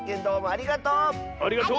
ありがとう！